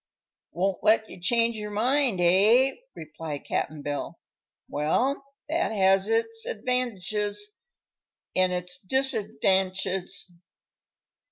"Won't let you change your mind, eh?" replied Cap'n Bill. "Well, that has its advantidges, an' its disadvantidges.